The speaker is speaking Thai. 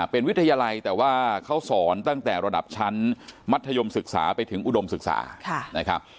เป็นวิทยาลัยแต่ว่าเขาสอนตั้งแต่ระดับชั้นมัธยมศึกษาไปถึงอุดมศึกษานะครับ